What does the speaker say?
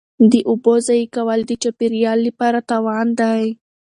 د اوبو ضایع کول د چاپیریال لپاره تاوان دی.